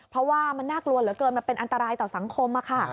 เพราะว่ามันน่ากลัวเหลือเกินมันเป็นอันตรายต่อสังคมค่ะ